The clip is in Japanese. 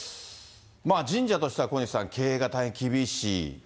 神社としては小西さん、経営が大変厳しい。